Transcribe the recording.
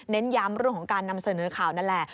เน้นย้ำของการนำเสนอข่าวนั้นล่ะ